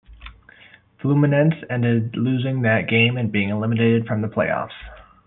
Fluminense ended losing that game and being eliminated from the playoffs.